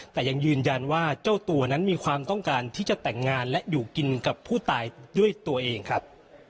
แต่ยังยืนยันว่าเจ้าตัวนั้นมีความต้องการที่จะแต่งงานและอยู่กินกับผู้ตายด้วยตัวเองครับ